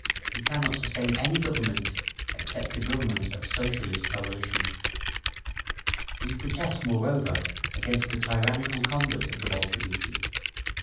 We cannot sustain any government except a government of Socialist coalition…. "We protest, moreover, against the tyrannical conduct of the Bolsheviki.